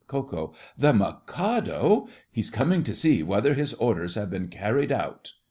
KO. The Mikado! He's coming to see whether his orders have been carried out!